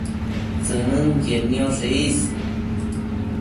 tsënënquied nioshe is